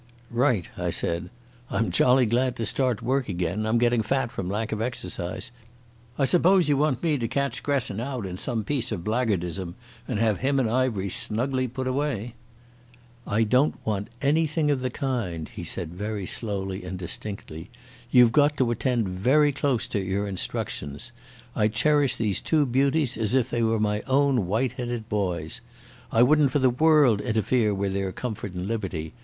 "Right," I said. "I'm jolly glad I'm to start work again. I'm getting fat from lack of exercise. I suppose you want me to catch Gresson out in some piece of blackguardism and have him and Ivery snugly put away." "I don't want anything of the kind," he said very slowly and distinctly. "You've got to attend very close to your instructions, I cherish these two beauties as if they were my own white headed boys. I wouldn't for the world interfere with their comfort and liberty.